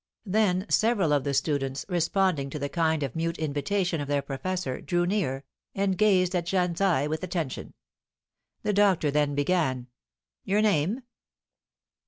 Then several of the students, responding to the kind of mute invitation of their professor, drew near, and gazed at Jeanne's eye with attention. The doctor then began: "Your name?"